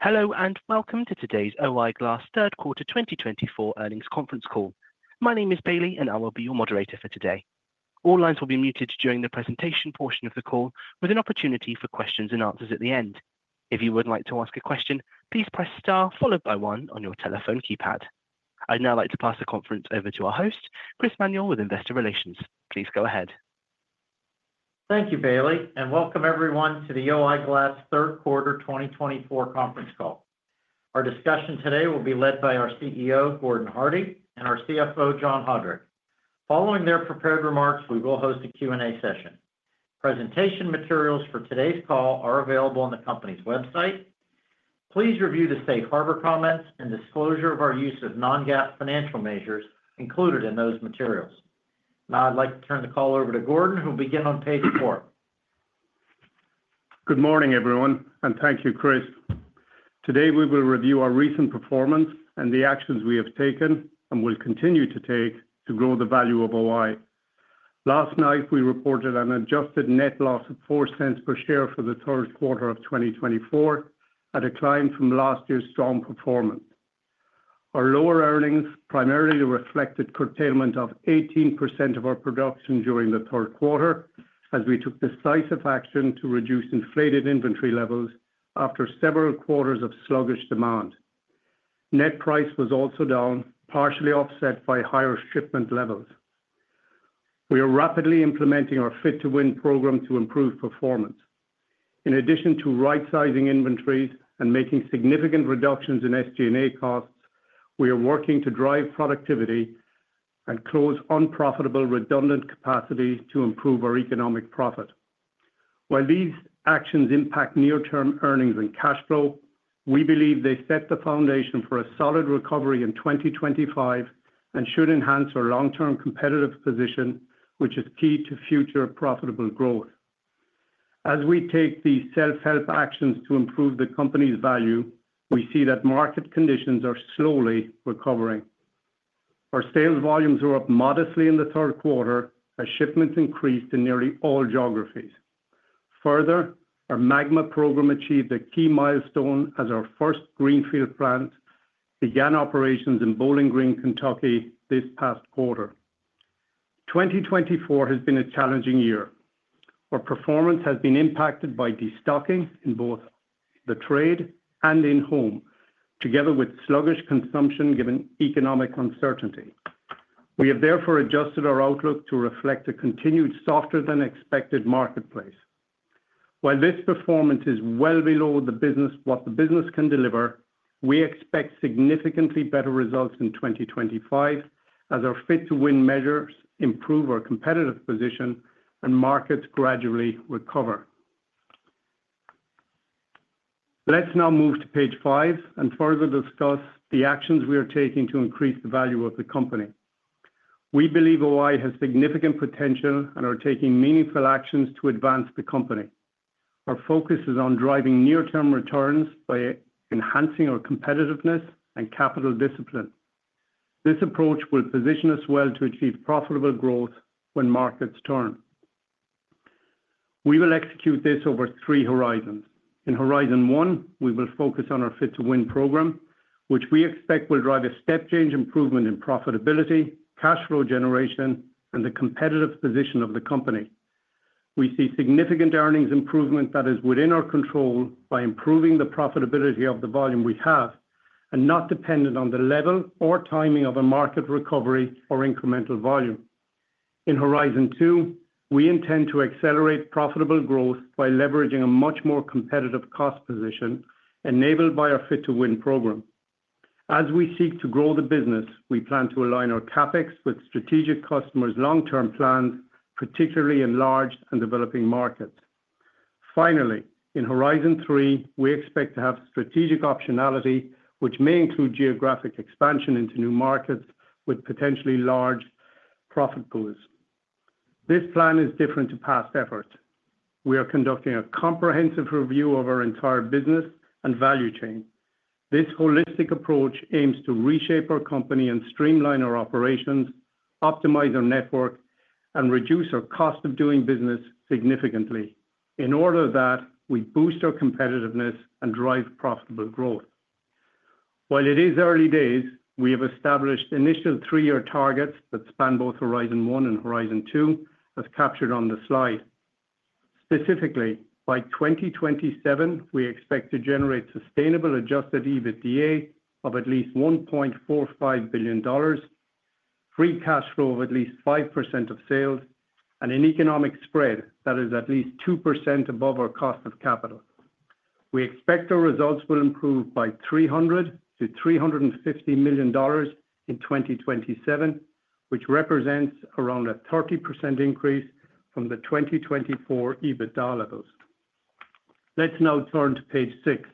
Hello and welcome to today's O-I Glass third quarter 2024 earnings conference call. My name is Bailey, and I will be your moderator for today. All lines will be muted during the presentation portion of the call, with an opportunity for questions and answers at the end. If you would like to ask a question, please press star followed by one on your telephone keypad. I'd now like to pass the conference over to our host, Chris Manuel with Investor Relations. Please go ahead. Thank you, Bailey, and welcome everyone to the O-I Glass third quarter 2024 conference call. Our discussion today will be led by our CEO, Gordon Hardie, and our CFO, John Haudrich. Following their prepared remarks, we will host a Q&A session. Presentation materials for today's call are available on the company's website. Please review the safe harbor comments and disclosure of our use of non-GAAP financial measures included in those materials. Now I'd like to turn the call over to Gordon, who will begin on page four. Good morning, everyone, and thank you, Chris. Today we will review our recent performance and the actions we have taken and will continue to take to grow the value of O-I. Last night we reported an adjusted net loss of $0.04 per share for the third quarter of 2024, a decline from last year's strong performance. Our lower earnings primarily reflected curtailment of 18% of our production during the third quarter, as we took decisive action to reduce inflated inventory levels after several quarters of sluggish demand. Net price was also down, partially offset by higher shipment levels. We are rapidly implementing our Fit to Win program to improve performance. In addition to right-sizing inventories and making significant reductions in SG&A costs, we are working to drive productivity and close unprofitable redundant capacity to improve our economic profit. While these actions impact near-term earnings and cash flow, we believe they set the foundation for a solid recovery in 2025 and should enhance our long-term competitive position, which is key to future profitable growth. As we take these self-help actions to improve the company's value, we see that market conditions are slowly recovering. Our sales volumes were up modestly in the third quarter, as shipments increased in nearly all geographies. Further, our Magma program achieved a key milestone as our first greenfield plant began operations in Bowling Green, Kentucky, this past quarter. 2024 has been a challenging year. Our performance has been impacted by destocking in both the trade and in-home, together with sluggish consumption given economic uncertainty. We have therefore adjusted our outlook to reflect a continued softer-than-expected marketplace. While this performance is well below what the business can deliver, we expect significantly better results in 2025, as our Fit-to-Win measures improve our competitive position and markets gradually recover. Let's now move to page five and further discuss the actions we are taking to increase the value of the company. We believe O-I has significant potential and are taking meaningful actions to advance the company. Our focus is on driving near-term returns by enhancing our competitiveness and capital discipline. This approach will position us well to achieve profitable growth when markets turn. We will execute this over three horizons. In horizon one, we will focus on our Fit-to-Win program, which we expect will drive a step-change improvement in profitability, cash flow generation, and the competitive position of the company. We see significant earnings improvement that is within our control by improving the profitability of the volume we have, and not dependent on the level or timing of a market recovery or incremental volume. In horizon two, we intend to accelerate profitable growth by leveraging a much more competitive cost position enabled by our Fit to Win program. As we seek to grow the business, we plan to align our CapEx with strategic customers' long-term plans, particularly in large and developing markets. Finally, in horizon three, we expect to have strategic optionality, which may include geographic expansion into new markets with potentially large profit pools. This plan is different from past efforts. We are conducting a comprehensive review of our entire business and value chain. This holistic approach aims to reshape our company and streamline our operations, optimize our network, and reduce our cost of doing business significantly. In order that we boost our competitiveness and drive profitable growth. While it is early days, we have established initial three-year targets that span both horizon one and horizon two, as captured on the slide. Specifically, by 2027, we expect to generate sustainable Adjusted EBITDA of at least $1.45 billion, free cash flow of at least 5% of sales, and an economic spread that is at least 2% above our cost of capital. We expect our results will improve by $300-$350 million in 2027, which represents around a 30% increase from the 2024 EBITDA levels. Let's now turn to page six.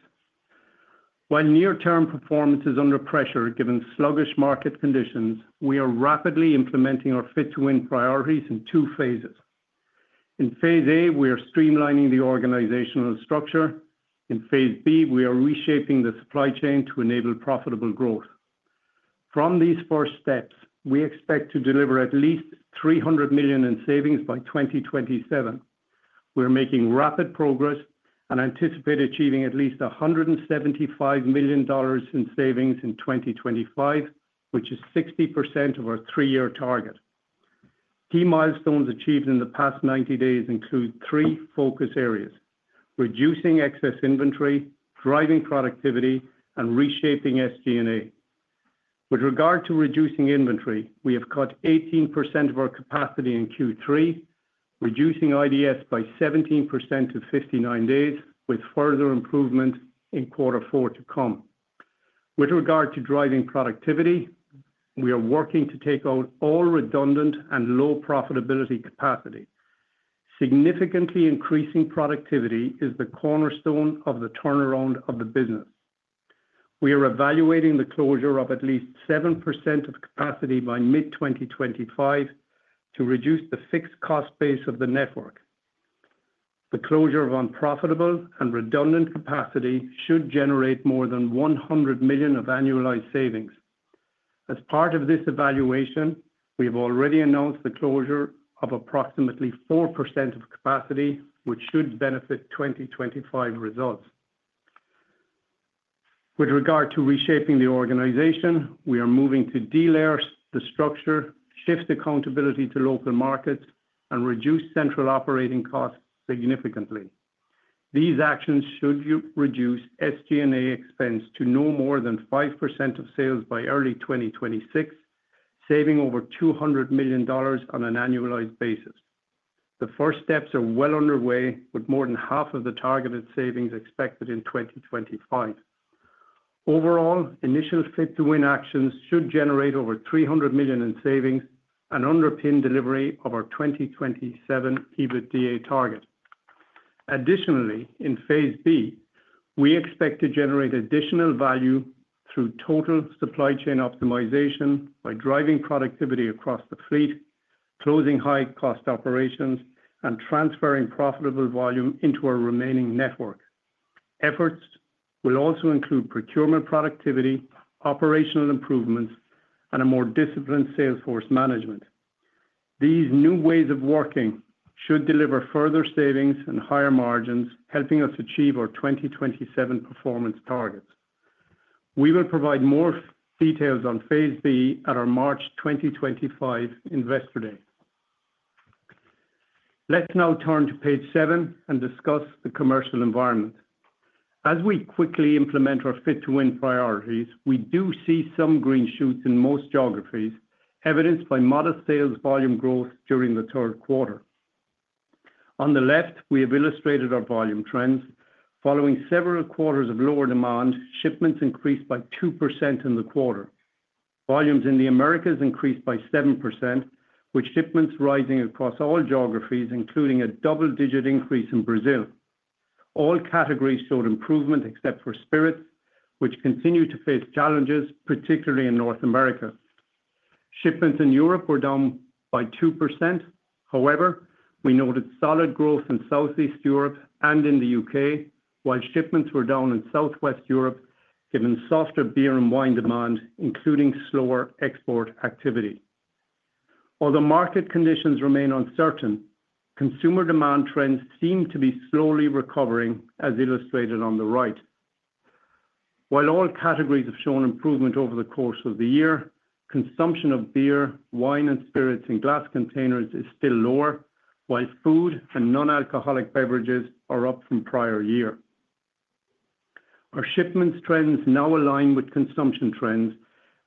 While near-term performance is under pressure given sluggish market conditions, we are rapidly implementing our Fit-to-Win priorities in two phases. In Phase A, we are streamlining the organizational structure. In Phase B, we are reshaping the supply chain to enable profitable growth. From these first steps, we expect to deliver at least $300 million in savings by 2027. We are making rapid progress and anticipate achieving at least $175 million in savings in 2025, which is 60% of our three-year target. Key milestones achieved in the past 90 days include three focus areas: reducing excess inventory, driving productivity, and reshaping SG&A. With regard to reducing inventory, we have cut 18% of our capacity in Q3, reducing IDS by 17% to 59 days, with further improvement in quarter four to come. With regard to driving productivity, we are working to take out all redundant and low profitability capacity. Significantly increasing productivity is the cornerstone of the turnaround of the business. We are evaluating the closure of at least 7% of capacity by mid-2025 to reduce the fixed cost base of the network. The closure of unprofitable and redundant capacity should generate more than $100 million of annualized savings. As part of this evaluation, we have already announced the closure of approximately 4% of capacity, which should benefit 2025 results. With regard to reshaping the organization, we are moving to de-layer the structure, shift accountability to local markets, and reduce central operating costs significantly. These actions should reduce SG&A expense to no more than 5% of sales by early 2026, saving over $200 million on an annualized basis. The first steps are well underway, with more than half of the targeted savings expected in 2025. Overall, initial Fit-to-Win actions should generate over $300 million in savings and underpin delivery of our 2027 EBITDA target. Additionally, in Phase B, we expect to generate additional value through total supply chain optimization by driving productivity across the fleet, closing high-cost operations, and transferring profitable volume into our remaining network. Efforts will also include procurement productivity, operational improvements, and a more disciplined salesforce management. These new ways of working should deliver further savings and higher margins, helping us achieve our 2027 performance targets. We will provide more details on Phase B at our March 2025 Investor Day. Let's now turn to page seven and discuss the commercial environment. As we quickly implement our Fit to Win priorities, we do see some green shoots in most geographies, evidenced by modest sales volume growth during the third quarter. On the left, we have illustrated our volume trends. Following several quarters of lower demand, shipments increased by 2% in the quarter. Volumes in the Americas increased by 7%, with shipments rising across all geographies, including a double-digit increase in Brazil. All categories showed improvement except for spirits, which continue to face challenges, particularly in North America. Shipments in Europe were down by 2%. However, we noted solid growth in Southeast Europe and in the U.K., while shipments were down in Southwest Europe given softer beer and wine demand, including slower export activity. Although market conditions remain uncertain, consumer demand trends seem to be slowly recovering, as illustrated on the right. While all categories have shown improvement over the course of the year, consumption of beer, wine, and spirits in glass containers is still lower, while food and non-alcoholic beverages are up from prior year. Our shipments trends now align with consumption trends,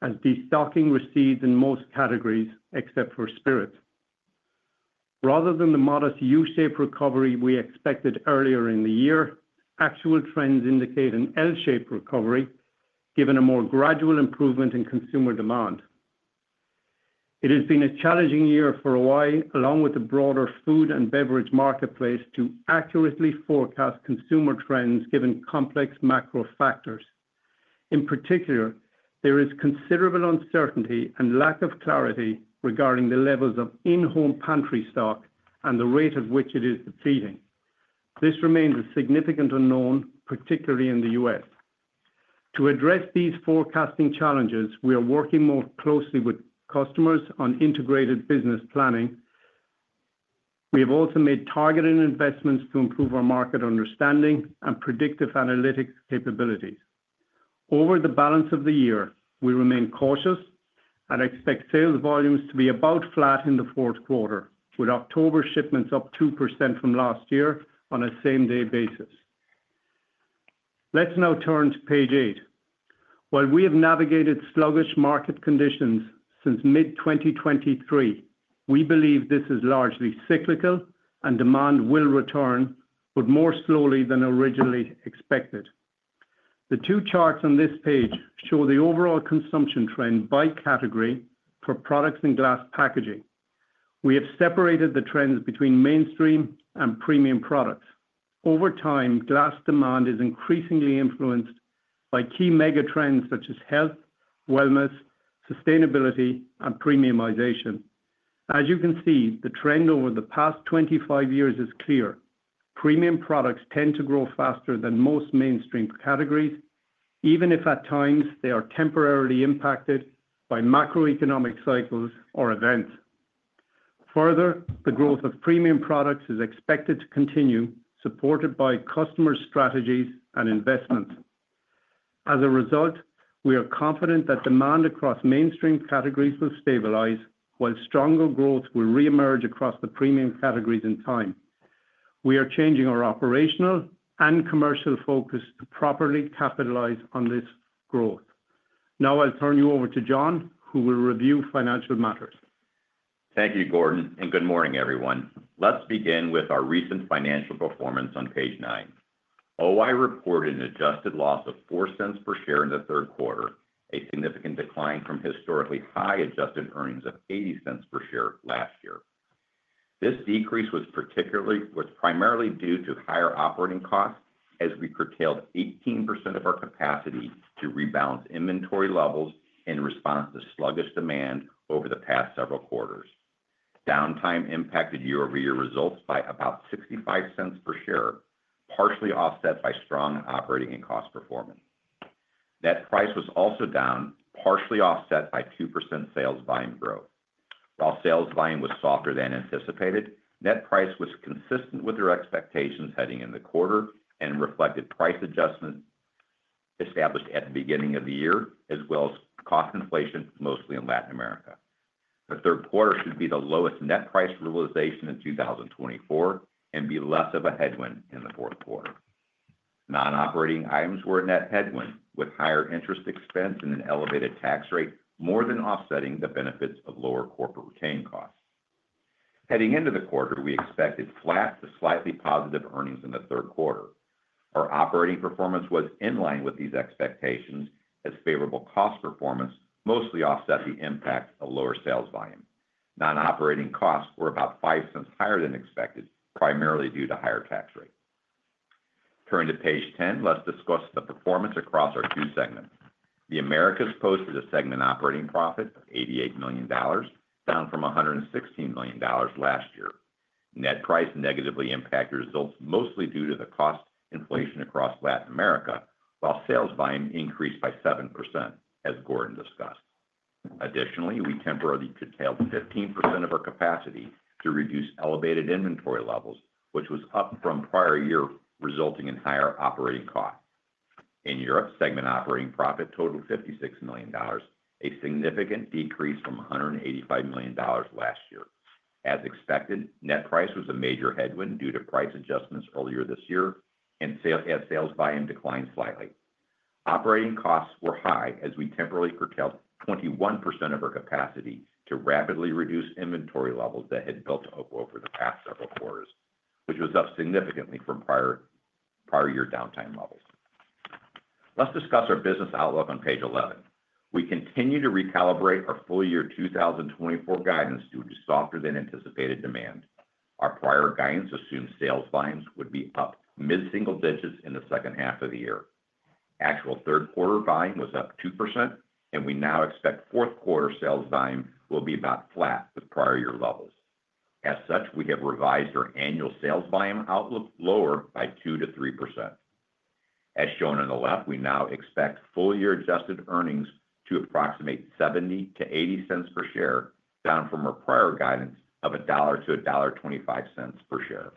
as destocking recedes in most categories except for spirits. Rather than the modest U-shaped recovery we expected earlier in the year, actual trends indicate an L-shaped recovery, given a more gradual improvement in consumer demand. It has been a challenging year for O-I, along with the broader food and beverage marketplace, to accurately forecast consumer trends given complex macro factors. In particular, there is considerable uncertainty and lack of clarity regarding the levels of in-home pantry stock and the rate at which it is depleting. This remains a significant unknown, particularly in the U.S. To address these forecasting challenges, we are working more closely with customers on integrated business planning. We have also made targeted investments to improve our market understanding and predictive analytics capabilities. Over the balance of the year, we remain cautious and expect sales volumes to be about flat in the fourth quarter, with October shipments up 2% from last year on a same-day basis. Let's now turn to page eight. While we have navigated sluggish market conditions since mid-2023, we believe this is largely cyclical and demand will return, but more slowly than originally expected. The two charts on this page show the overall consumption trend by category for products in glass packaging. We have separated the trends between mainstream and premium products. Over time, glass demand is increasingly influenced by key mega trends such as health, wellness, sustainability, and premiumization. As you can see, the trend over the past 25 years is clear. Premium products tend to grow faster than most mainstream categories, even if at times they are temporarily impacted by macroeconomic cycles or events. Further, the growth of premium products is expected to continue, supported by customer strategies and investments. As a result, we are confident that demand across mainstream categories will stabilize, while stronger growth will reemerge across the premium categories in time. We are changing our operational and commercial focus to properly capitalize on this growth. Now I'll turn you over to John, who will review financial matters. Thank you, Gordon, and good morning, everyone. Let's begin with our recent financial performance on page nine. O-I reported an adjusted loss of $0.04 per share in the third quarter, a significant decline from historically high adjusted earnings of $0.80 per share last year. This decrease was primarily due to higher operating costs, as we curtailed 18% of our capacity to rebalance inventory levels in response to sluggish demand over the past several quarters. Downtime impacted year-over-year results by about $0.65 per share, partially offset by strong operating and cost performance. Net price was also down, partially offset by 2% sales volume growth. While sales volume was softer than anticipated, net price was consistent with our expectations heading into the quarter and reflected price adjustments established at the beginning of the year, as well as cost inflation, mostly in Latin America. The third quarter should be the lowest net price realization in 2024 and be less of a headwind in the fourth quarter. Non-operating items were a net headwind, with higher interest expense and an elevated tax rate more than offsetting the benefits of lower corporate retained costs. Heading into the quarter, we expected flat to slightly positive earnings in the third quarter. Our operating performance was in line with these expectations, as favorable cost performance mostly offset the impact of lower sales volume. Non-operating costs were about $0.05 higher than expected, primarily due to higher tax rates. Turning to page ten, let's discuss the performance across our two segments. The Americas posted a segment operating profit of $88 million, down from $116 million last year. Net price negatively impacted results, mostly due to the cost inflation across Latin America, while sales volume increased by 7%, as Gordon discussed. Additionally, we temporarily curtailed 15% of our capacity to reduce elevated inventory levels, which was up from prior year, resulting in higher operating costs. In Europe, segment operating profit totaled $56 million, a significant decrease from $185 million last year. As expected, net price was a major headwind due to price adjustments earlier this year, and sales volume declined slightly. Operating costs were high, as we temporarily curtailed 21% of our capacity to rapidly reduce inventory levels that had built up over the past several quarters, which was up significantly from prior year downtime levels. Let's discuss our business outlook on page 11. We continue to recalibrate our full year 2024 guidance due to softer than anticipated demand. Our prior guidance assumed sales volumes would be up mid-single digits in the second half of the year. Actual third quarter volume was up 2%, and we now expect fourth quarter sales volume will be about flat with prior year levels. As such, we have revised our annual sales volume outlook lower by 2%-3%. As shown on the left, we now expect full year adjusted earnings to approximate $0.70-$0.80 per share, down from our prior guidance of $1-$1.25 per share.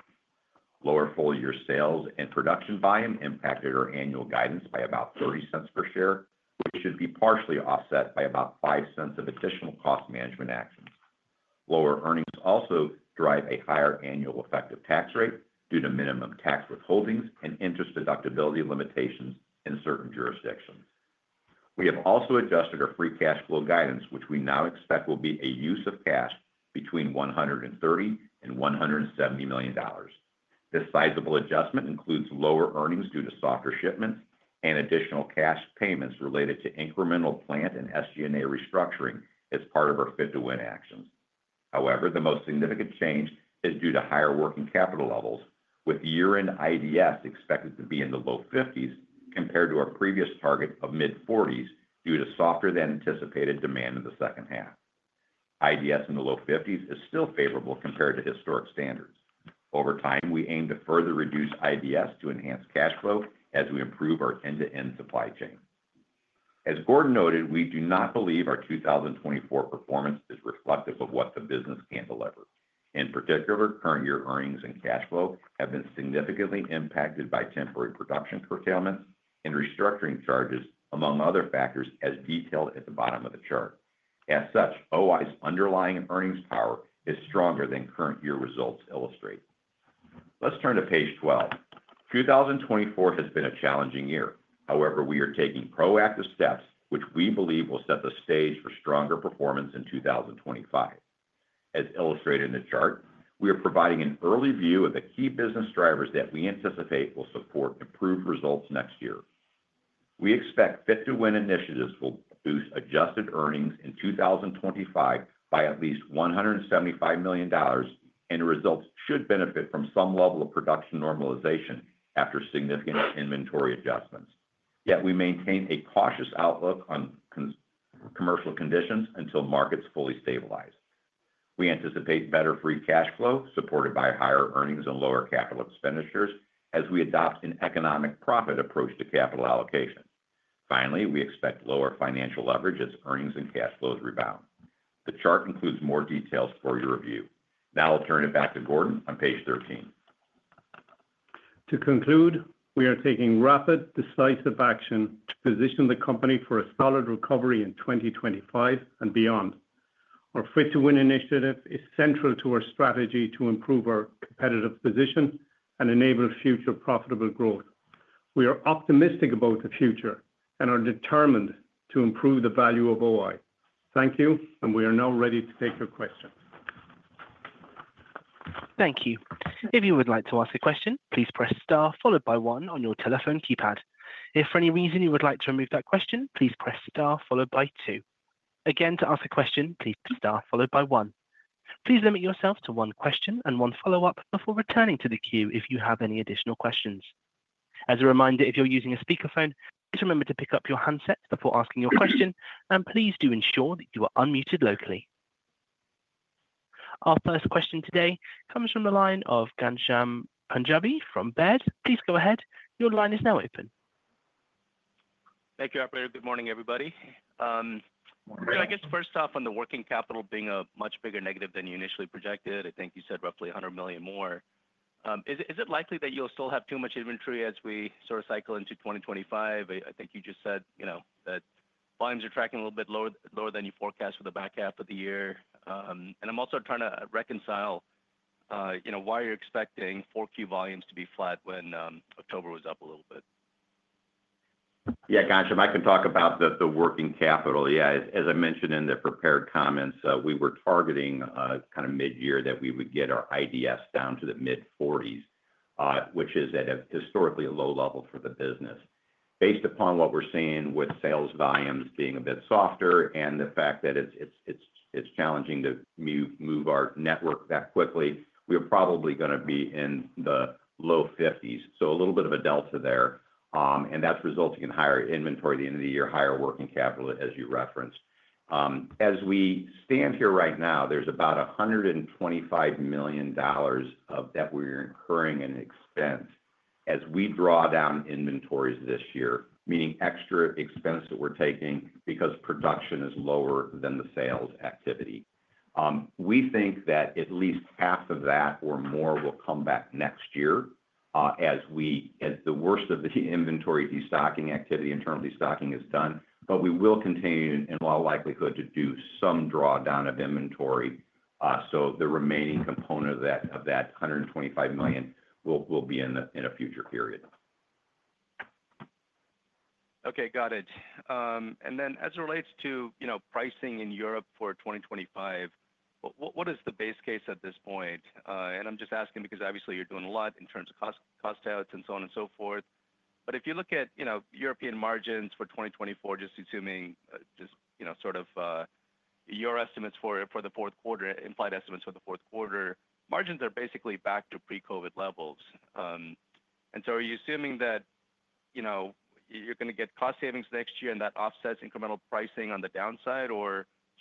Lower full year sales and production volume impacted our annual guidance by about $0.30 per share, which should be partially offset by about $0.05 of additional cost management actions. Lower earnings also drive a higher annual effective tax rate due to minimum tax withholdings and interest deductibility limitations in certain jurisdictions. We have also adjusted our free cash flow guidance, which we now expect will be a use of cash between $130 million and $170 million. This sizable adjustment includes lower earnings due to softer shipments and additional cash payments related to incremental plant and SG&A restructuring as part of our Fit-to-Win actions. However, the most significant change is due to higher working capital levels, with year-end IDS expected to be in the low 50s compared to our previous target of mid-40s due to softer than anticipated demand in the second half. IDS in the low 50s is still favorable compared to historic standards. Over time, we aim to further reduce IDS to enhance cash flow as we improve our end-to-end supply chain. As Gordon noted, we do not believe our 2024 performance is reflective of what the business can deliver. In particular, current year earnings and cash flow have been significantly impacted by temporary production curtailments and restructuring charges, among other factors, as detailed at the bottom of the chart. As such, O-I's underlying earnings power is stronger than current year results illustrate. Let's turn to page 12. 2024 has been a challenging year. However, we are taking proactive steps, which we believe will set the stage for stronger performance in 2025. As illustrated in the chart, we are providing an early view of the key business drivers that we anticipate will support improved results next year. We expect fit-to-win initiatives will boost adjusted earnings in 2025 by at least $175 million, and results should benefit from some level of production normalization after significant inventory adjustments. Yet we maintain a cautious outlook on commercial conditions until markets fully stabilize. We anticipate better free cash flow supported by higher earnings and lower capital expenditures as we adopt an economic profit approach to capital allocation. Finally, we expect lower financial leverage as earnings and cash flows rebound. The chart includes more details for your review. Now I'll turn it back to Gordon on page 13. To conclude, we are taking rapid, decisive action to position the company for a solid recovery in 2025 and beyond. Our Fit-to-Win initiative is central to our strategy to improve our competitive position and enable future profitable growth. We are optimistic about the future and are determined to improve the value of O-I. Thank you, and we are now ready to take your questions. Thank you. If you would like to ask a question, please press star followed by one on your telephone keypad. If for any reason you would like to remove that question, please press star followed by two. Again, to ask a question, please press star followed by one. Please limit yourself to one question and one follow-up before returning to the queue if you have any additional questions. As a reminder, if you're using a speakerphone, please remember to pick up your handset before asking your question, and please do ensure that you are unmuted locally. Our first question today comes from the line of Ghansham Panjabi from Baird. Please go ahead. Your line is now open. Thank you, Bailey. Good morning, everybody. I guess first off, on the working capital being a much bigger negative than you initially projected, I think you said roughly $100 million more. Is it likely that you'll still have too much inventory as we sort of cycle into 2025? I think you just said that volumes are tracking a little bit lower than you forecast for the back half of the year. And I'm also trying to reconcile why you're expecting Q4 volumes to be flat when October was up a little bit. Yeah, Ghansham, I can talk about the working capital. Yeah, as I mentioned in the prepared comments, we were targeting kind of mid-year that we would get our IDS down to the mid-40s, which is at a historically low level for the business. Based upon what we're seeing with sales volumes being a bit softer and the fact that it's challenging to move our network that quickly, we are probably going to be in the low 50s. So a little bit of a delta there, and that's resulting in higher inventory at the end of the year, higher working capital, as you referenced. As we stand here right now, there's about $125 million that we're incurring in expense as we draw down inventories this year, meaning extra expense that we're taking because production is lower than the sales activity. We think that at least half of that or more will come back next year as the worst of the inventory destocking activity, internal destocking is done, but we will continue in all likelihood to do some drawdown of inventory. So the remaining component of that $125 million will be in a future period. Okay, got it. And then as it relates to pricing in Europe for 2025, what is the base case at this point? I'm just asking because obviously you're doing a lot in terms of cost cuts and so on and so forth. If you look at European margins for 2024, just assuming just sort of your estimates for the fourth quarter, implied estimates for the fourth quarter, margins are basically back to pre-COVID levels. Are you assuming that you're going to get cost savings next year and that offsets incremental pricing on the downside,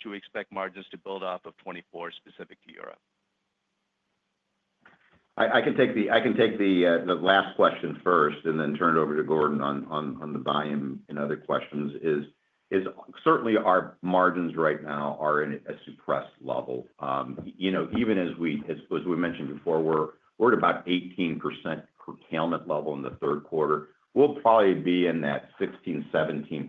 or should we expect margins to build up of 2024 specific to Europe? I can take the last question first and then turn it over to Gordon on the volume and other questions. Certainly, our margins right now are at a suppressed level. Even as we mentioned before, we're at about 18% curtailment level in the third quarter. We'll probably be in that 16%-17%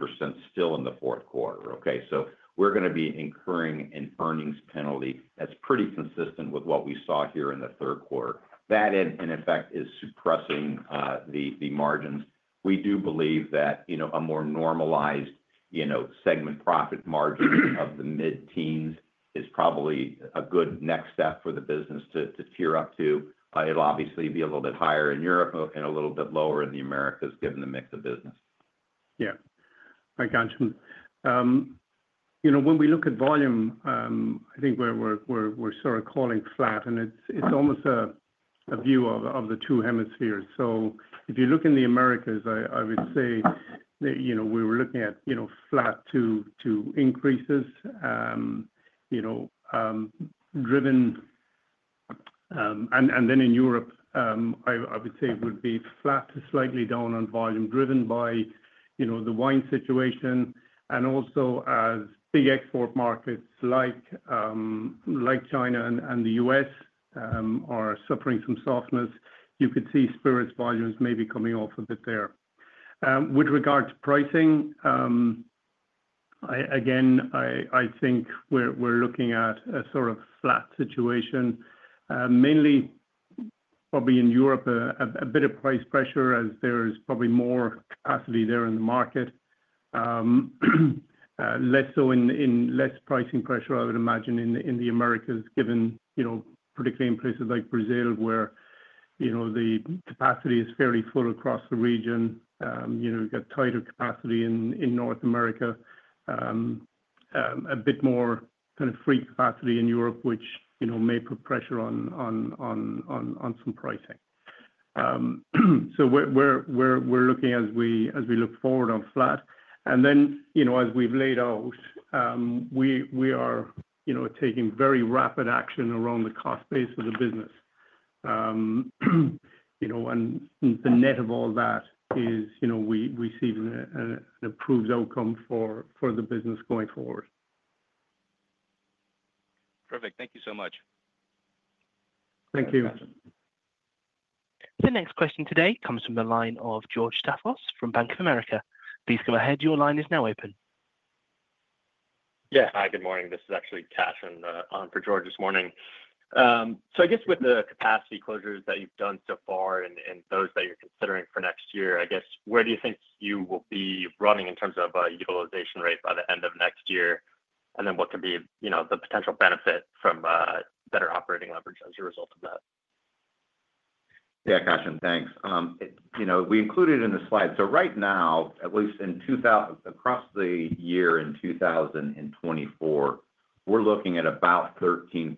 still in the fourth quarter. Okay, so we're going to be incurring an earnings penalty that's pretty consistent with what we saw here in the third quarter. That, in effect, is suppressing the margins. We do believe that a more normalized segment profit margin of the mid-teens is probably a good next step for the business to tear up to. It'll obviously be a little bit higher in Europe and a little bit lower in the Americas given the mix of business. Yeah. All right, Ghansham. When we look at volume, I think we're sort of calling flat, and it's almost a view of the two hemispheres. So if you look in the Americas, I would say we were looking at flat to increases driven. And then in Europe, I would say it would be flat to slightly down on volume driven by the wine situation. And also, as big export markets like China and the U.S. are suffering some softness, you could see spirits volumes maybe coming off a bit there. With regard to pricing, again, I think we're looking at a sort of flat situation, mainly probably in Europe, a bit of price pressure as there is probably more capacity there in the market. Less so in less pricing pressure, I would imagine, in the Americas given particularly in places like Brazil where the capacity is fairly full across the region. We've got tighter capacity in North America, a bit more kind of free capacity in Europe, which may put pressure on some pricing. So we're looking as we look forward on flat. And then as we've laid out, we are taking very rapid action around the cost base of the business. And the net of all that is we see an improved outcome for the business going forward. Perfect. Thank you so much. Thank you. The next question today comes from the line of George Staphos from Bank of America. Please go ahead. Your line is now open. Yeah. Hi, good morning. This is actually Ghansham on for George this morning. So I guess with the capacity closures that you've done so far and those that you're considering for next year, I guess where do you think you will be running in terms of utilization rate by the end of next year? And then what could be the potential benefit from better operating leverage as a result of that? Yeah, Ghansham, thanks. We included it in the slide. So right now, at least across the year in 2024, we're looking at about 13%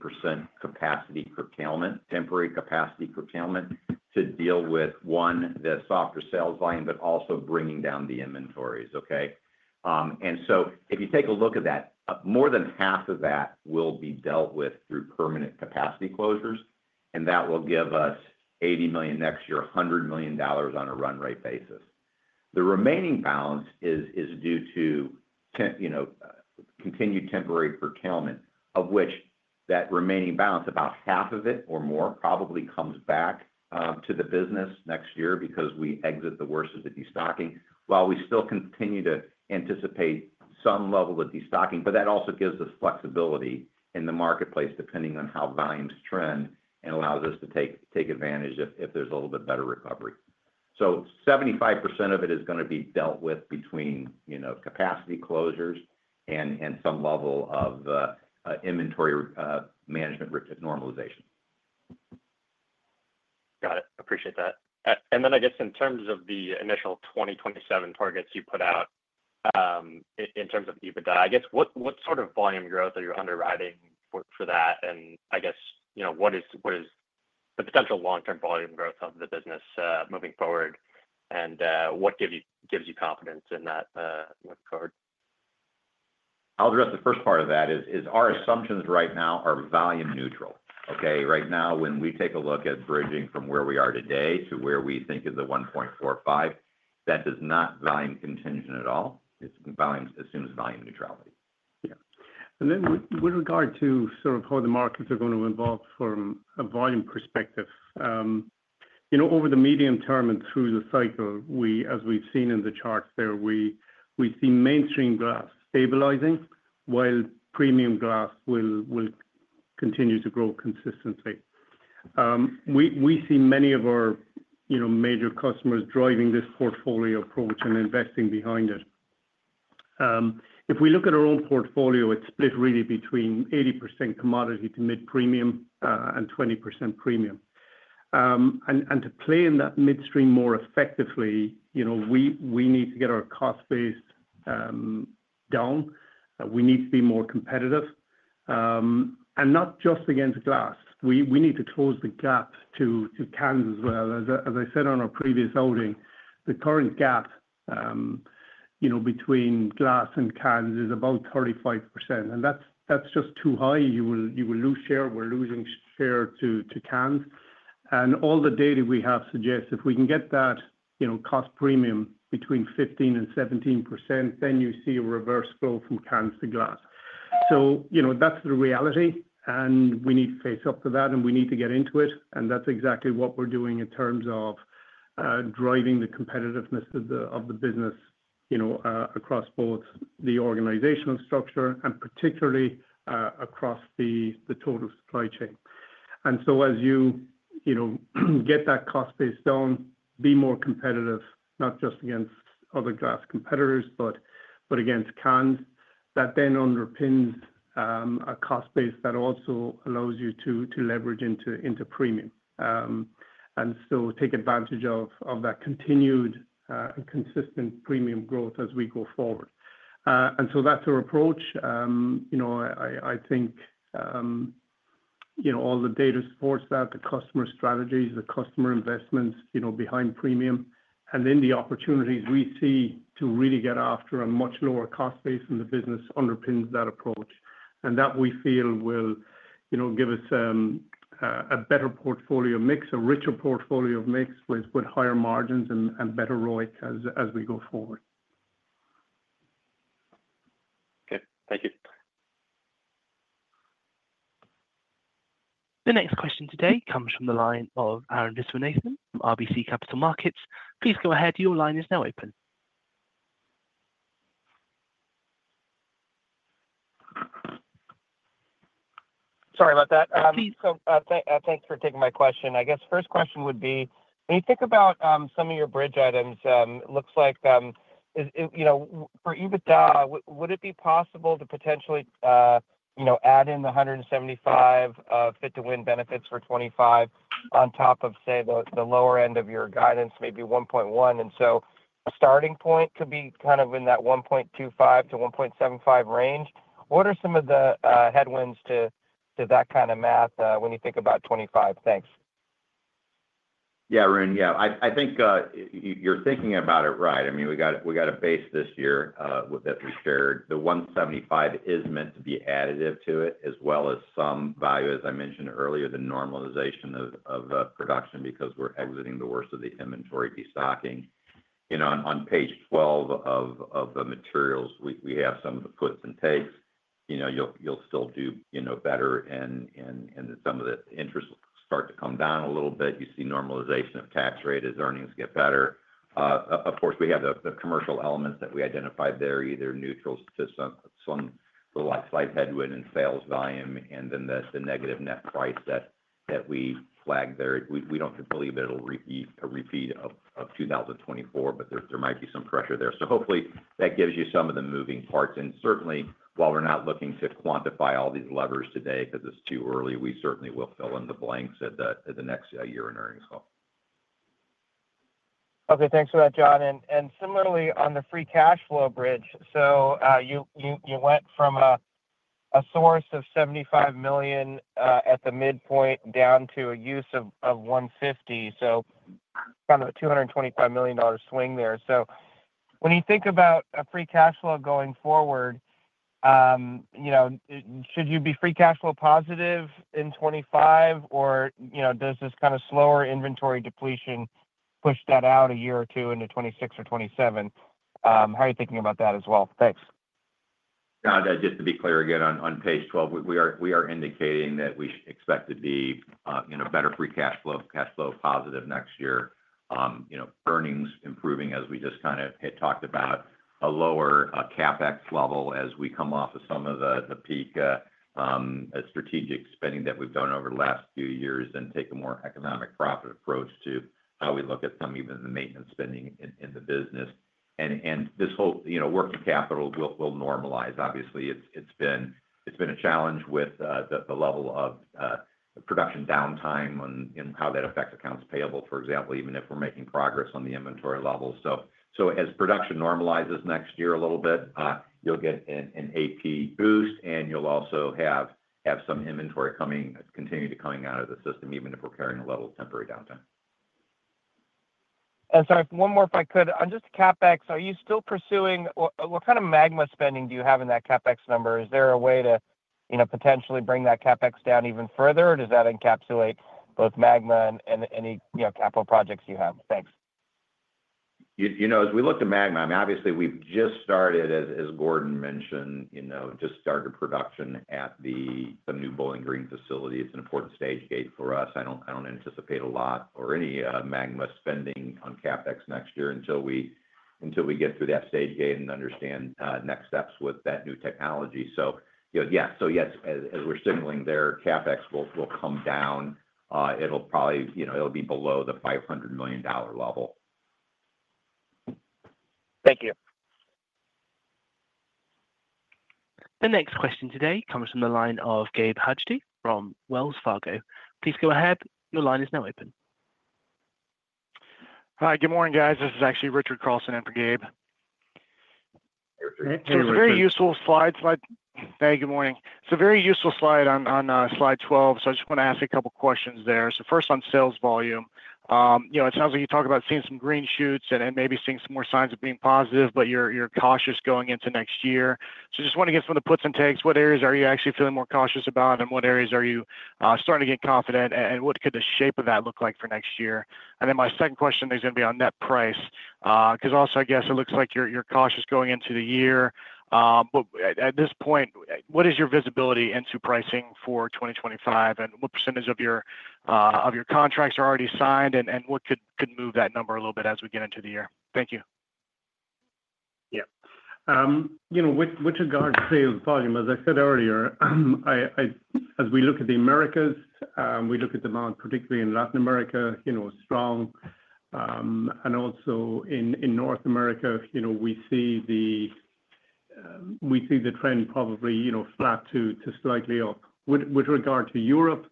capacity curtailment, temporary capacity curtailment to deal with one, the softer sales volume, but also bringing down the inventories. Okay? And so if you take a look at that, more than half of that will be dealt with through permanent capacity closures, and that will give us $80 million next year, $100 million on a run rate basis. The remaining balance is due to continued temporary curtailment, of which that remaining balance, about half of it or more, probably comes back to the business next year because we exit the worst of the destocking while we still continue to anticipate some level of destocking. But that also gives us flexibility in the marketplace depending on how volumes trend and allows us to take advantage if there's a little bit better recovery. So, 75% of it is going to be dealt with between capacity closures and some level of inventory management normalization. Got it. Appreciate that. And then, I guess, in terms of the initial 2027 targets you put out in terms of EBITDA, I guess what sort of volume growth are you underwriting for that? And I guess what is the potential long-term volume growth of the business moving forward? And what gives you confidence in that moving forward? I'll address the first part of that. Our assumptions right now are volume neutral. Okay? Right now, when we take a look at bridging from where we are today to where we think is the 1.45, that does not volume contingent at all. It assumes volume neutrality. Yeah. With regard to how the markets are going to evolve from a volume perspective, over the medium term and through the cycle, as we've seen in the charts there, we see mainstream glass stabilizing while premium glass will continue to grow consistently. We see many of our major customers driving this portfolio approach and investing behind it. If we look at our own portfolio, it's split really between 80% commodity to mid-premium and 20% premium. To play in that midstream more effectively, we need to get our cost base down. We need to be more competitive. Not just against glass. We need to close the gap to cans as well. As I said on our previous outing, the current gap between glass and cans is about 35%. That's just too high. You will lose share. We're losing share to cans. And all the data we have suggests if we can get that cost premium between 15% and 17%, then you see a reverse flow from cans to glass. So that's the reality. And we need to face up to that, and we need to get into it. And that's exactly what we're doing in terms of driving the competitiveness of the business across both the organizational structure and particularly across the total supply chain. And so as you get that cost base down, be more competitive, not just against other glass competitors, but against cans, that then underpins a cost base that also allows you to leverage into premium and still take advantage of that continued and consistent premium growth as we go forward. And so that's our approach. I think all the data supports that, the customer strategies, the customer investments behind premium, and then the opportunities we see to really get after a much lower cost base in the business underpins that approach. That we feel will give us a better portfolio mix, a richer portfolio mix with higher margins and better ROIC as we go forward. Okay. Thank you. The next question today comes from the line of Arun Viswanathan from RBC Capital Markets. Please go ahead. Your line is now open. Sorry about that. Please. So thanks for taking my question. I guess first question would be, when you think about some of your bridge items, it looks like for EBITDA, would it be possible to potentially add in the 175 Fit to Win benefits for 25 on top of, say, the lower end of your guidance, maybe 1.1? And so a starting point could be kind of in that 1.25-1.75 range. What are some of the headwinds to that kind of math when you think about 2025? Thanks. Yeah, Arun. Yeah. I think you're thinking about it right. I mean, we got a base this year with that we shared. The 175 is meant to be additive to it as well as some value, as I mentioned earlier, the normalization of production because we're exiting the worst of the inventory destocking. On page 12 of the materials, we have some of the puts and takes. You'll still do better in some of the interest start to come down a little bit. You see normalization of tax rate as earnings get better. Of course, we have the commercial elements that we identified there, either neutral to some slight headwind in sales volume and then the negative net price that we flagged there. We don't believe it'll repeat in 2024, but there might be some pressure there, so hopefully, that gives you some of the moving parts. And certainly, while we're not looking to quantify all these levers today because it's too early, we certainly will fill in the blanks at the next year's earnings call. Okay. Thanks for that, John, and similarly, on the free cash flow bridge, so you went from a source of $75 million at the midpoint down to a use of $150 million, so kind of a $225 million swing there. So when you think about a free cash flow going forward, should you be free cash flow positive in 2025, or does this kind of slower inventory depletion push that out a year or two into 2026 or 2027? How are you thinking about that as well? Thanks. Got it. Just to be clear again, on page 12, we are indicating that we expect to be in a better free cash flow, cash flow positive next year, earnings improving as we just kind of had talked about, a lower CapEx level as we come off of some of the peak strategic spending that we've done over the last few years and take a more economic profit approach to how we look at some even the maintenance spending in the business. And this whole working capital will normalize. Obviously, it's been a challenge with the level of production downtime and how that affects accounts payable, for example, even if we're making progress on the inventory level, so as production normalizes next year a little bit, you'll get an AP boost, and you'll also have some inventory continue to come out of the system even if we're carrying a level of temporary downtime. And sorry, one more if I could. On just CapEx, are you still pursuing what kind of Magma spending do you have in that CapEx number? Is there a way to potentially bring that CapEx down even further, or does that encapsulate both Magma and any capital projects you have? Thanks. As we look at Magma, I mean, obviously, we've just started, as Gordon mentioned, just started production at the new Bowling Green facility. It's an important stage gate for us. I don't anticipate a lot or any Magma spending on CapEx next year until we get through that stage gate and understand next steps with that new technology. So yeah, so yes, as we're signaling there, CapEx will come down. It'll probably be below the $500 million level. Thank you. The next question today comes from the line of Gabe Hajde from Wells Fargo. Please go ahead. Your line is now open. Hi, good morning, guys. This is actually Richard Carlson for Gabe. Hey, Richard. Hey, Richard. It's a very useful slide. Hey, good morning. It's a very useful slide on slide 12. So I just want to ask a couple of questions there. So first, on sales volume, it sounds like you talk about seeing some green shoots and maybe seeing some more signs of being positive, but you're cautious going into next year. So just want to get some of the puts and takes. What areas are you actually feeling more cautious about, and what areas are you starting to get confident, and what could the shape of that look like for next year? And then my second question is going to be on net price because also, I guess it looks like you're cautious going into the year. But at this point, what is your visibility into pricing for 2025, and what percentage of your contracts are already signed, and what could move that number a little bit as we get into the year? Thank you. Yeah. With regard to sales volume, as I said earlier, as we look at the Americas, we look at the amount, particularly in Latin America, strong. And also in North America, we see the trend probably flat to slightly up. With regard to Europe,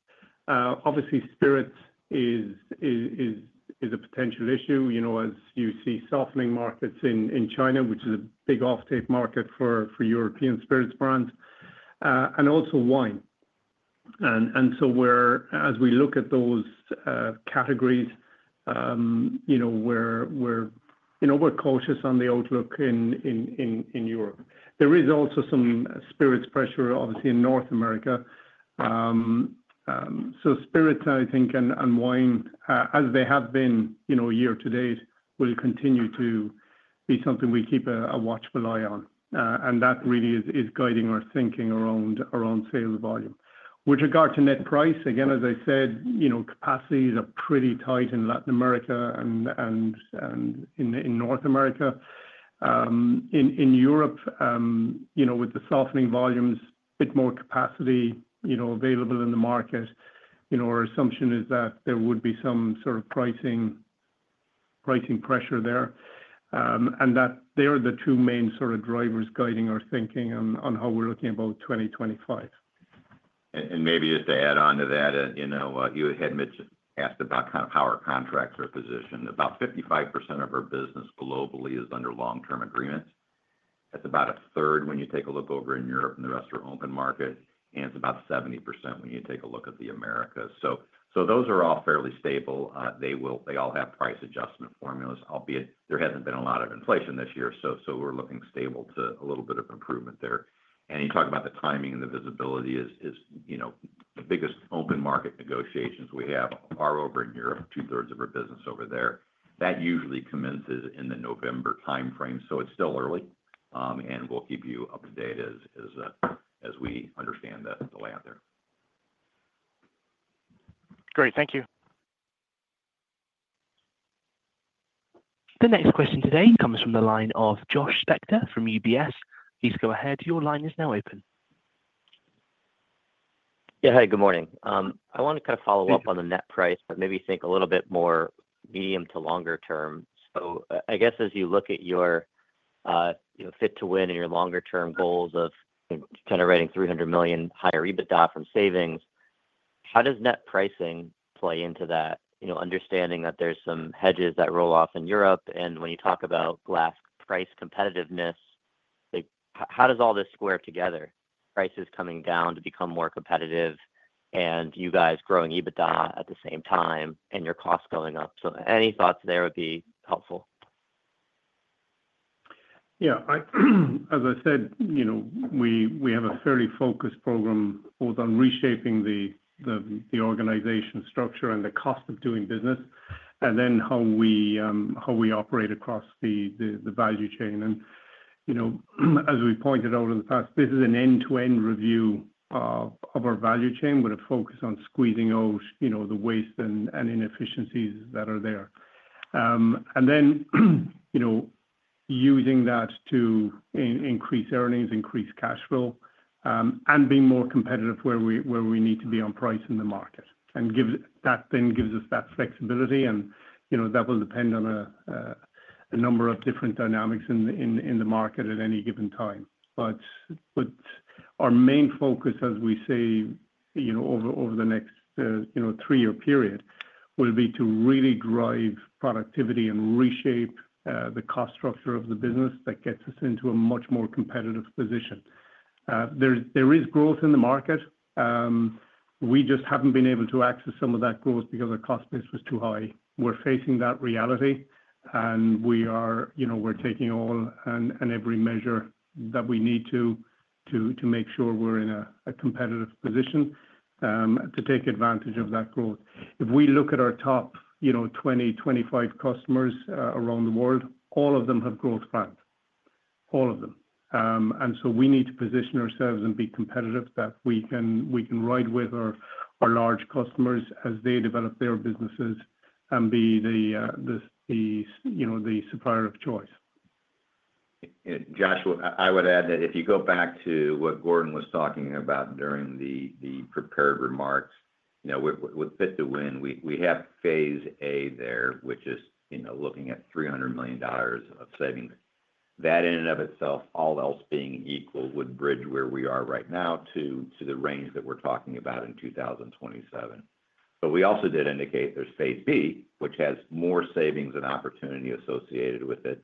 obviously, spirits is a potential issue as you see softening markets in China, which is a big offtake market for European spirits brands, and also wine. And so as we look at those categories, we're cautious on the outlook in Europe. There is also some spirits pressure, obviously, in North America. So spirits, I think, and wine, as they have been year to date, will continue to be something we keep a watchful eye on. And that really is guiding our thinking around sales volume. With regard to net price, again, as I said, capacities are pretty tight in Latin America and in North America. In Europe, with the softening volumes, a bit more capacity available in the market, our assumption is that there would be some sort of pricing pressure there. They are the two main sort of drivers guiding our thinking on how we're looking about 2025. Maybe just to add on to that, you had asked about kind of how our contracts are positioned. About 55% of our business globally is under long-term agreements. That's about a third when you take a look over in Europe and the rest of our open market, and it's about 70% when you take a look at the Americas. Those are all fairly stable. They all have price adjustment formulas, albeit there hasn't been a lot of inflation this year. We're looking stable to a little bit of improvement there. You talk about the timing and the visibility is the biggest open market negotiations we have are over in Europe, two-thirds of our business over there. That usually commences in the November timeframe. So it's still early, and we'll keep you up to date as we understand the layout there. Great. Thank you. The next question today comes from the line of Josh Spector from UBS. Please go ahead. Your line is now open. Yeah. Hi, good morning. I want to kind of follow up on the net price, but maybe think a little bit more medium to longer term. So I guess as you look at your Fit-to-Win and your longer-term goals of generating $300 million higher EBITDA from savings, how does net pricing play into that? Understanding that there's some hedges that roll off in Europe. And when you talk about glass price competitiveness, how does all this square together? Prices coming down to become more competitive and you guys growing EBITDA at the same time and your cost going up. So any thoughts there would be helpful. Yeah. As I said, we have a fairly focused program both on reshaping the organization structure and the cost of doing business, and then how we operate across the value chain. And as we pointed out in the past, this is an end-to-end review of our value chain with a focus on squeezing out the waste and inefficiencies that are there. And then using that to increase earnings, increase cash flow, and be more competitive where we need to be on price in the market. And that then gives us that flexibility. And that will depend on a number of different dynamics in the market at any given time. But our main focus, as we say, over the next three-year period will be to really drive productivity and reshape the cost structure of the business that gets us into a much more competitive position. There is growth in the market. We just haven't been able to access some of that growth because our cost base was too high. We're facing that reality, and we're taking all and every measure that we need to make sure we're in a competitive position to take advantage of that growth. If we look at our top 20, 25 customers around the world, all of them have growth plans. All of them. And so we need to position ourselves and be competitive that we can ride with our large customers as they develop their businesses and be the supplier of choice. Josh, I would add that if you go back to what Gordon was talking about during the prepared remarks, with Fit-to-Win, we have Phase A there, which is looking at $300 million of savings. That in and of itself, all else being equal, would bridge where we are right now to the range that we're talking about in 2027. But we also did indicate there's Phase B, which has more savings and opportunity associated with it.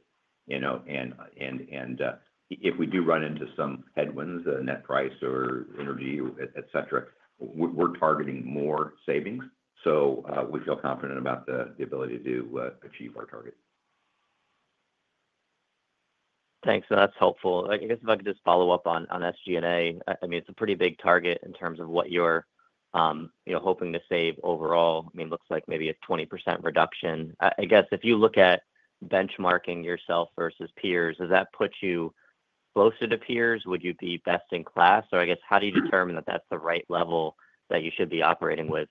And if we do run into some headwinds, net price or energy, etc., we're targeting more savings. So we feel confident about the ability to achieve our target. Thanks. And that's helpful. I guess if I could just follow up on SG&A. I mean, it's a pretty big target in terms of what you're hoping to save overall. I mean, it looks like maybe a 20% reduction. I guess if you look at benchmarking yourself versus peers, does that put you closer to peers? Would you be best in class? Or I guess, how do you determine that that's the right level that you should be operating with?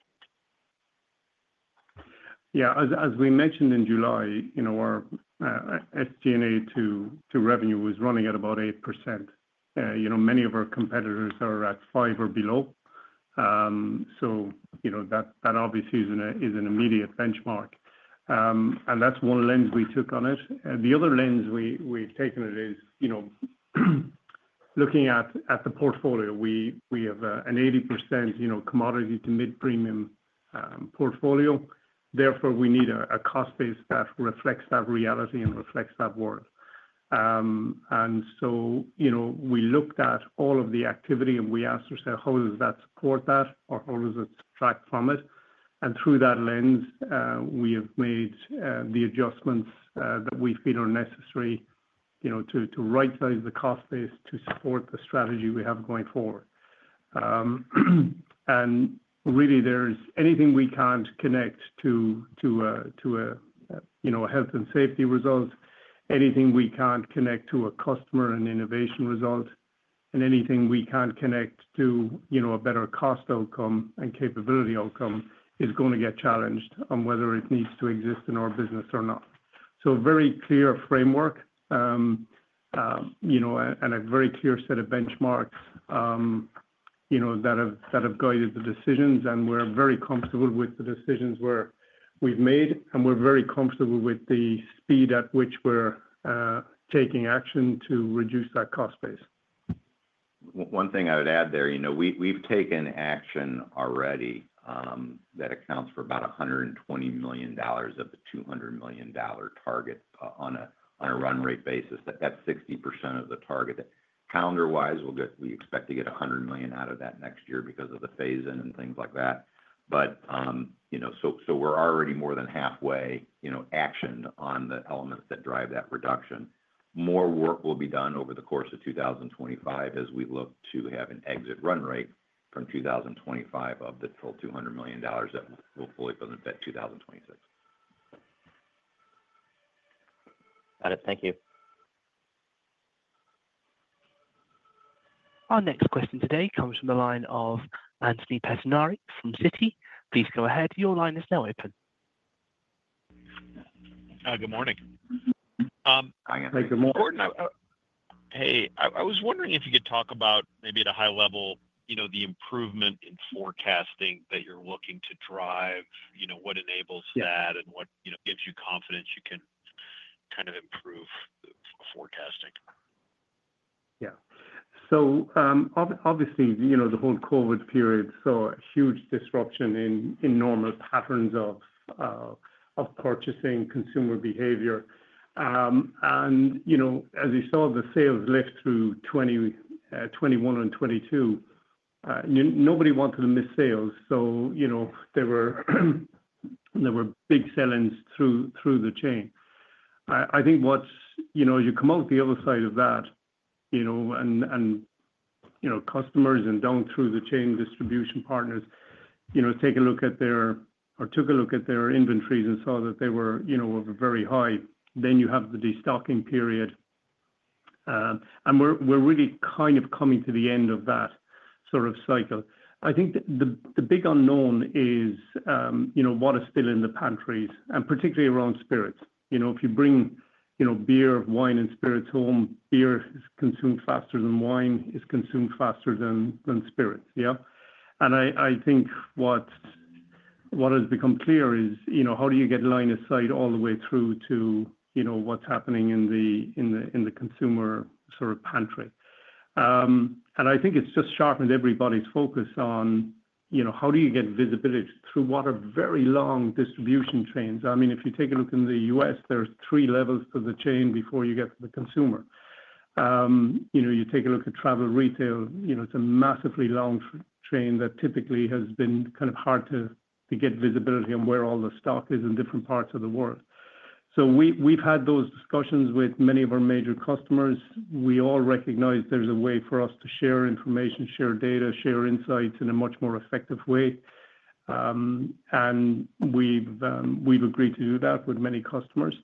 Yeah. As we mentioned in July, our SG&A to revenue was running at about 8%. Many of our competitors are at five or below. So that obviously is an immediate benchmark. And that's one lens we took on it. The other lens we've taken it is looking at the portfolio. We have an 80% commodity to mid-premium portfolio. Therefore, we need a cost base that reflects that reality and reflects that world. And so we looked at all of the activity, and we asked ourselves, how does that support that, or how does it subtract from it? And through that lens, we have made the adjustments that we feel are necessary to right-size the cost base to support the strategy we have going forward. Really, there's anything we can't connect to a health and safety result, anything we can't connect to a customer and innovation result, and anything we can't connect to a better cost outcome and capability outcome is going to get challenged on whether it needs to exist in our business or not. Very clear framework and a very clear set of benchmarks that have guided the decisions. We're very comfortable with the decisions we've made, and we're very comfortable with the speed at which we're taking action to reduce that cost base. One thing I would add there, we've taken action already that accounts for about $120 million of the $200 million target on a run rate basis. That's 60% of the target. Calendar-wise, we expect to get $100 million out of that next year because of the phase-in and things like that. But so we're already more than halfway actioned on the elements that drive that reduction. More work will be done over the course of 2025 as we look to have an exit run rate from 2025 of the full $200 million that will fully go into 2026. Got it. Thank you. Our next question today comes from the line of Anthony Pettinari from Citi. Please go ahead. Your line is now open. Hi, good morning. Hi, Gordon. Hey, I was wondering if you could talk about maybe at a high level the improvement in forecasting that you're looking to drive, what enables that, and what gives you confidence you can kind of improve forecasting. Yeah. So obviously, the whole COVID period saw a huge disruption in normal patterns of purchasing consumer behavior. And as you saw the sales lift through 2021 and 2022, nobody wanted to miss sales. So there were big sell-ins through the chain. I think once you come out the other side of that and customers and down through the chain distribution partners take a look at their inventories and saw that they were very high, then you have the destocking period. And we're really kind of coming to the end of that sort of cycle. I think the big unknown is what is still in the pantries, and particularly around spirits. If you bring beer, wine, and spirits home, beer is consumed faster than wine is consumed faster than spirits. Yeah. And I think what has become clear is how do you get line of sight all the way through to what's happening in the consumer sort of pantry? And I think it's just sharpened everybody's focus on how do you get visibility through what are very long distribution chains. I mean, if you take a look in the U.S., there are three levels to the chain before you get to the consumer. You take a look at travel retail, it's a massively long chain that typically has been kind of hard to get visibility on where all the stock is in different parts of the world. So we've had those discussions with many of our major customers. We all recognize there's a way for us to share information, share data, share insights in a much more effective way. And we've agreed to do that with many customers.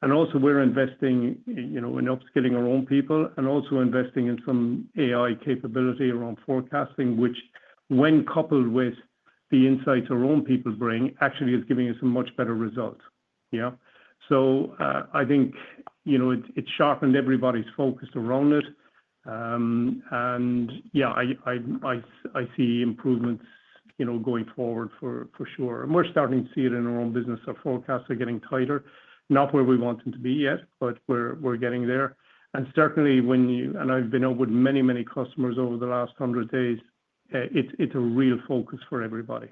And also, we're investing in upskilling our own people and also investing in some AI capability around forecasting, which when coupled with the insights our own people bring, actually is giving us a much better result. Yeah. So I think it's sharpened everybody's focus around it. And yeah, I see improvements going forward for sure. And we're starting to see it in our own business. Our forecasts are getting tighter, not where we want them to be yet, but we're getting there. And certainly, when you and I've been out with many, many customers over the last 100 days, it's a real focus for everybody.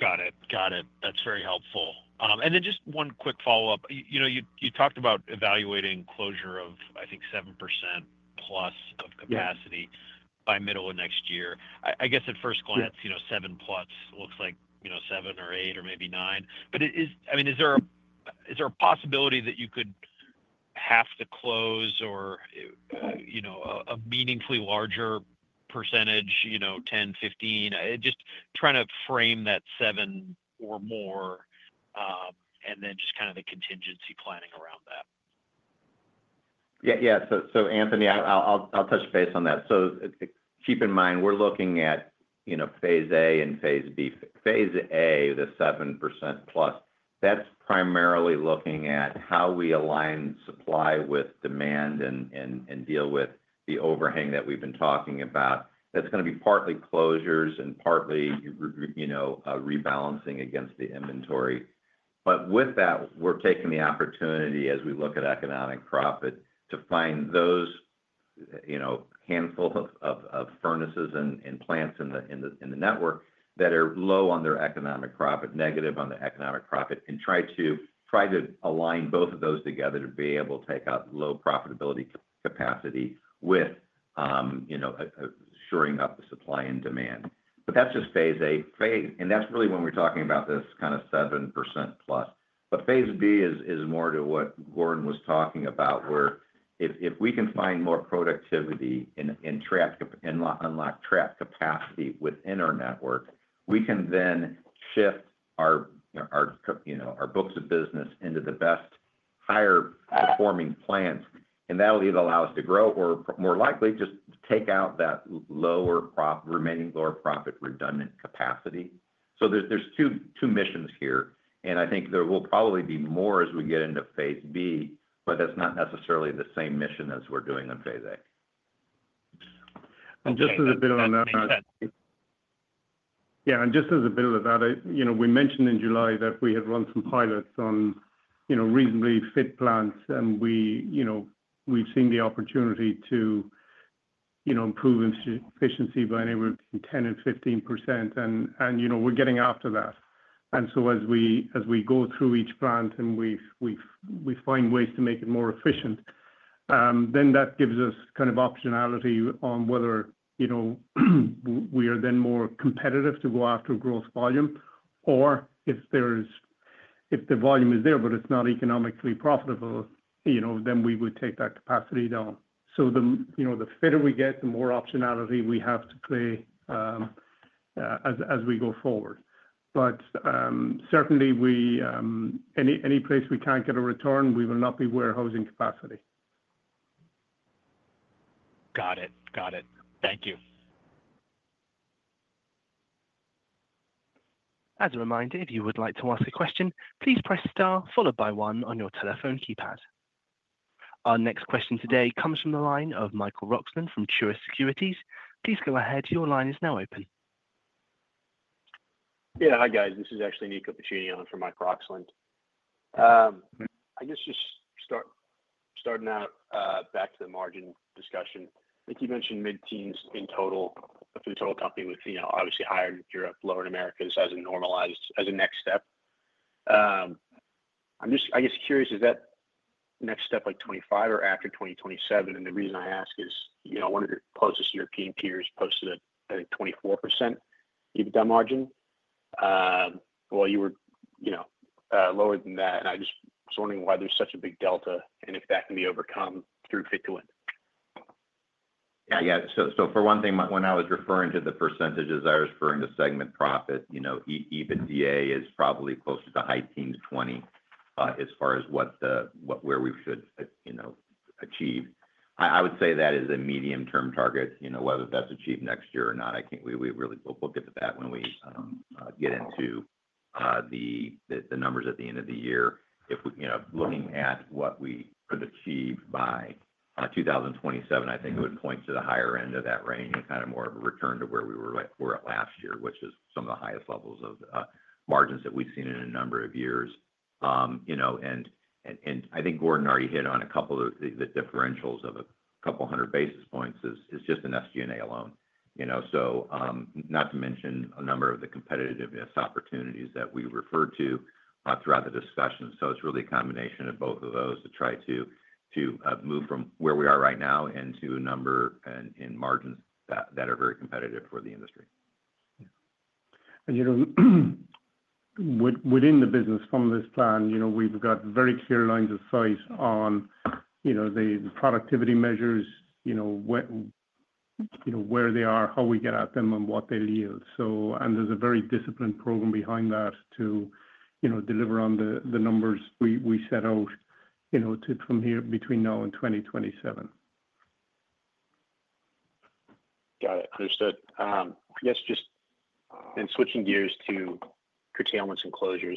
Got it. Got it. That's very helpful. And then just one quick follow-up. You talked about evaluating closure of, I think, 7% plus of capacity by middle of next year. I guess at first glance, seven plus looks like seven or eight or maybe nine. I mean, is there a possibility that you could have to close or a meaningfully larger percentage, 10%-15%? Just trying to frame that 7% or more and then just kind of the contingency planning around that. Yeah. Yeah. So Anthony, I'll touch base on that. So keep in mind, we're looking at Phase A and Phase B. Phase A, the 7% plus, that's primarily looking at how we align supply with demand and deal with the overhang that we've been talking about. That's going to be partly closures and partly rebalancing against the inventory. But with that, we're taking the opportunity as we look at economic profit to find those handful of furnaces and plants in the network that are low on their economic profit, negative on their economic profit, and try to align both of those together to be able to take out low profitability capacity with shoring up the supply and demand. But that's just Phase A. And that's really when we're talking about this kind of 7% plus. But Phase B is more to what Gordon was talking about, where if we can find more productivity and unlock trapped capacity within our network, we can then shift our books of business into the best higher-performing plants. And that'll either allow us to grow or, more likely, just take out that remaining lower profit redundant capacity. So there's two missions here. I think there will probably be more as we get into Phase B, but that's not necessarily the same mission as we're doing in Phase A. Just a bit on that. Yeah. We mentioned in July that we had run some pilots on reasonably fit plants, and we've seen the opportunity to improve efficiency by anywhere between 10% and 15%. We're getting after that. So as we go through each plant and we find ways to make it more efficient, then that gives us kind of optionality on whether we are then more competitive to go after growth volume, or if the volume is there, but it's not economically profitable, then we would take that capacity down. The fitter we get, the more optionality we have to play as we go forward. But certainly, any place we can't get a return, we will not be warehousing capacity. Got it. Got it. Thank you. As a reminder, if you would like to ask a question, please press star followed by one on your telephone keypad. Our next question today comes from the line of Michael Roxland from Truist Securities. Please go ahead. Your line is now open. Yeah. Hi, guys. This is actually Nicco Pacini on for Mike Roxland. I guess just starting out back to the margin discussion, I think you mentioned mid-teens in total of the total company with obviously higher in Europe, lower in America just as a normalized next step. I'm just, I guess, curious, is that next step like 2025 or after 2027? And the reason I ask is one of your closest European peers posted at a 24% EBITDA margin. You were lower than that. I just was wondering why there's such a big delta and if that can be overcome through Fit to Win. Yeah. Yeah. For one thing, when I was referring to the percentages, I was referring to segment profit. EBITDA is probably closer to high teens-20% as far as where we should achieve. I would say that is a medium-term target, whether that's achieved next year or not. We really will look at that when we get into the numbers at the end of the year. Looking at what we could achieve by 2027, I think it would point to the higher end of that range and kind of more of a return to where we were at last year, which is some of the highest levels of margins that we've seen in a number of years. And I think Gordon already hit on a couple of the differentials of a couple hundred basis points is just in SG&A alone. So not to mention a number of the competitiveness opportunities that we referred to throughout the discussion. So it's really a combination of both of those to try to move from where we are right now into a number and margins that are very competitive for the industry. And within the business from this plan, we've got very clear lines of sight on the productivity measures, where they are, how we get at them, and what they yield. And there's a very disciplined program behind that to deliver on the numbers we set out from here between now and 2027. Got it. Understood. I guess just in switching gears to curtailments and closures,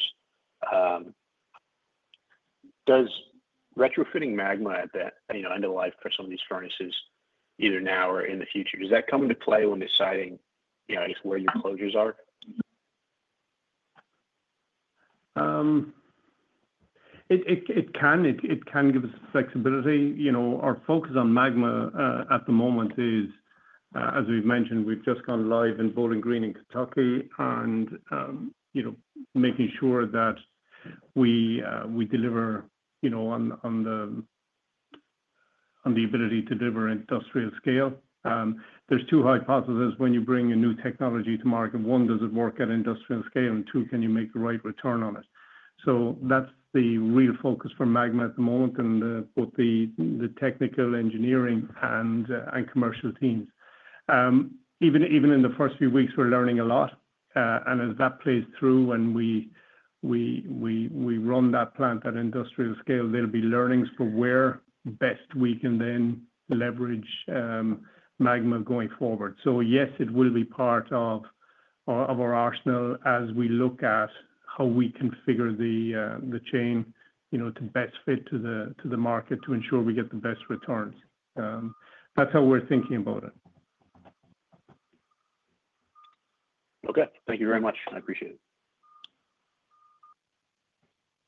does retrofitting Magma end of life for some of these furnaces either now or in the future? Does that come into play when deciding, I guess, where your closures are? It can. It can give us flexibility. Our focus on Magma at the moment is, as we've mentioned, we've just gone live in Bowling Green, Kentucky and making sure that we deliver on the ability to deliver industrial scale. There's two hypotheses when you bring a new technology to market. One, does it work at industrial scale? And two, can you make the right return on it? So that's the real focus for Magma at the moment and both the technical engineering and commercial teams. Even in the first few weeks, we're learning a lot. As that plays through and we run that plant at industrial scale, there'll be learnings for where best we can then leverage Magma going forward. So yes, it will be part of our arsenal as we look at how we configure the chain to best fit to the market to ensure we get the best returns. That's how we're thinking about it. Okay. Thank you very much. I appreciate it.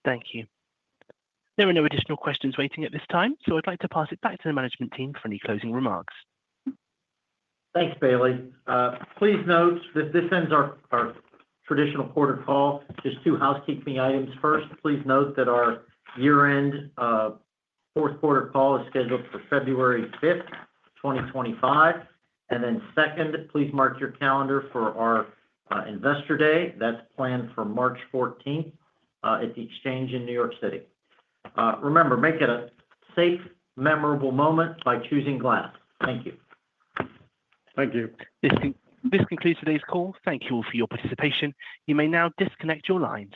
Thank you. There are no additional questions waiting at this time. I'd like to pass it back to the management team for any closing remarks. Thanks, Bailey. Please note that this ends our traditional quarter call. Just two housekeeping items. First, please note that our year-end fourth quarter call is scheduled for February 5th, 2025. Then second, please mark your calendar for our Investor Day. That's planned for March 14th at The Exchange in New York City. Remember, make it a safe, memorable moment by choosing glass. Thank you. Thank you. This concludes today's call. Thank you all for your participation. You may now disconnect your lines.